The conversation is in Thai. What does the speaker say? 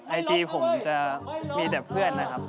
ไอจีเว่าผมจะมีแบบเพื่อนนะครับ